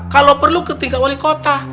kalau perlu ke tingkat wali kota